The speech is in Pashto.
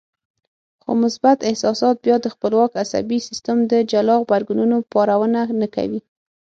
خو مثبت احساسات بيا د خپلواک عصبي سيستم د جلا غبرګونونو پارونه نه کوي.